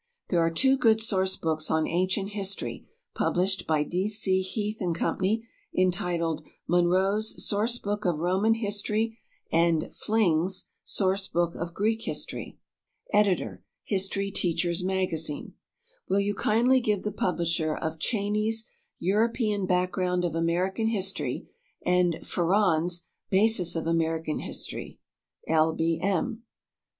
There are two good source books on Ancient History published by D. C. Heath & Co., entitled Munro's "Source Book of Roman History" and Fling's "Source Book of Greek History." Editor HISTORY TEACHER'S MAGAZINE. "Will you kindly give the publisher of Cheyney's 'European Background of American History' and Farrand's 'Basis of American History?'" L. B. M.